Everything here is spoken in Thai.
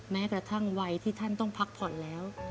แม้กระทั่งวัยที่ท่านต้องพักผ่อนแล้ว